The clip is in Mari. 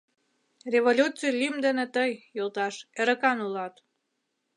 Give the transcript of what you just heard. — Революций лӱм дене тый, йолташ, эрыкан улат!